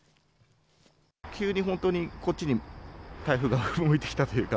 急に本当にこっちに台風が動いてきたというか、